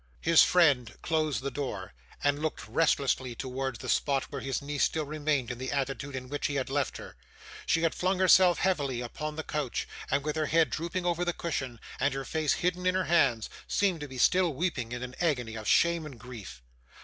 His friend closed the door, and looked restlessly towards the spot where his niece still remained in the attitude in which he had left her. She had flung herself heavily upon the couch, and with her head drooping over the cushion, and her face hidden in her hands, seemed to be still weeping in an agony of shame and grief.